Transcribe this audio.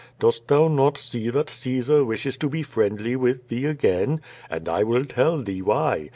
Dost thou not see that Caesar wishes to be friendly with thee again? And I will tell thee why.